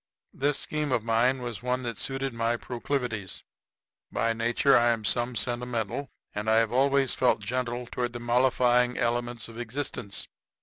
This scheme of mine was one that suited my proclivities. By nature I am some sentimental, and have always felt gentle toward the mollifying elements of existence.